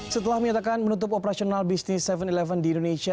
setelah menyatakan menutup operasional bisnis tujuh sebelas di indonesia